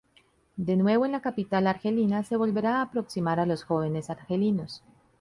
De nuevo en la capital argelina se volverá a aproximar a los Jóvenes Argelinos.